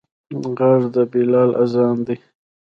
غږ د بلال اذان دی